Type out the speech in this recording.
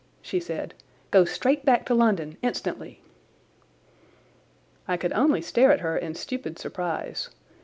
she said. "Go straight back to London, instantly." I could only stare at her in stupid surprise.